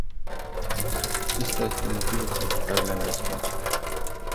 Acesta este motivul pentru care le-am respins.